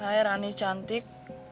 hai rani cantik